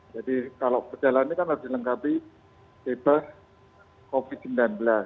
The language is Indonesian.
jadi kalau perjalanan ini kan harus dilengkapi bebas covid sembilan belas